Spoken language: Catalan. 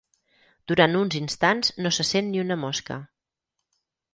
Durant uns instants no se sent ni una mosca.